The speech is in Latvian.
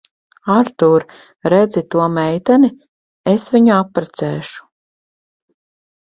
Artūr, redzi to meiteni? Es viņu apprecēšu.